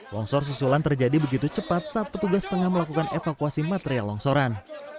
longsor susulan terjadi begitu cepat saat petugas tengah melakukan evakuasi material longsoran